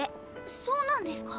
そうなんですか？